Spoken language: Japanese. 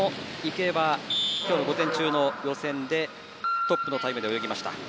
その池江は今日の午前中の予選でトップのタイムで泳ぎました。